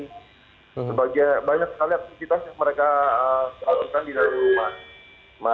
sebagai banyak sekali aktivitas yang mereka salurkan di dalam rumah